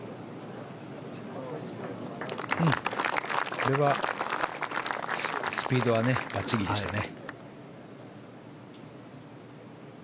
これはスピードはばっちりでしたね。